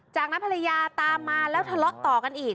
จากนั้นภรรยาตามมาแล้วทะเลาะต่อกันอีก